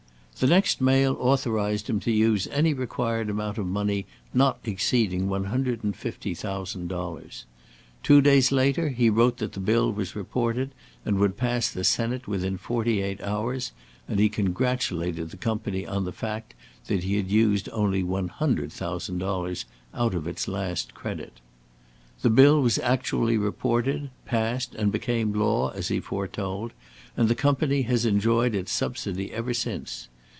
"The next mail authorized him to use any required amount of money not exceeding one hundred and fifty thousand dollars. Two days later he wrote that the bill was reported, and would pass the Senate within forty eight hours; and he congratulated the Company on the fact that he had used only one hundred thousand dollars out of its last credit. "The bill was actually reported, passed, and became law as he foretold, and the Company has enjoyed its subsidy ever since.